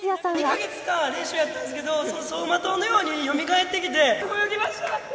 ２か月間練習やったんですけど、走馬灯のようによみがえってきて、泳ぎました。